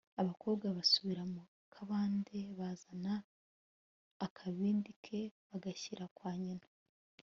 abakobwa basubira mu kabande bazana akabindi ke, bagashyira kwa nyina